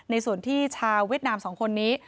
ในส่วนที่ชาวเวียดนาม๒คนนี้